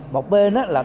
một bên là